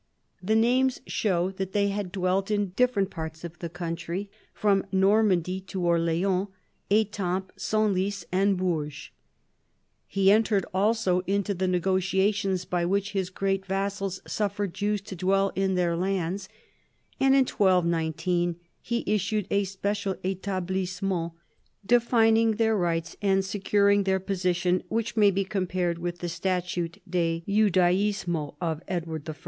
The names show that they had dwelt in different parts of the country, from Normandy to Orleans, Etampes, Senlis, and Bourges. He entered also into the negotiations by which his great vassals suffered Jews to dwell in their lands, and in 1219 he issued a special etablissement defining their rights and securing their position, which may be compared with the Statute de Judaismo of Edward I.